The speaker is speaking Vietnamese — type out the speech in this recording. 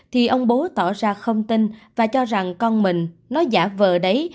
thì ông bố tỏ ra không tin và cho rằng con mình nó giả vờ đấy